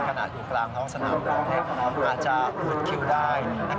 ขนาดอยู่กลางร้องสนามห่วงอาจจะอุดคิวได้